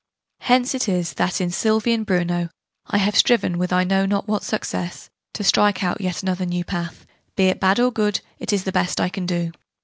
Hence it is that, in 'Sylvie and Bruno,' I have striven with I know not what success to strike out yet another new path: be it bad or good, it is the best I can do.